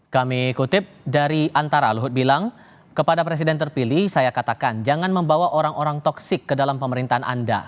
kami kutip dari antara luhut bilang kepada presiden terpilih saya katakan jangan membawa orang orang toksik ke dalam pemerintahan anda